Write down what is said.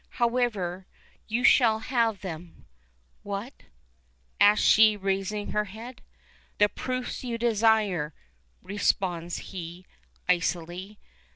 However, you shall have them." "What?" asks she, raising her head. "The proofs you desire," responds he, icily.